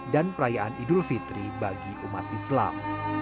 dan perayaan idul fitri bagi umat islam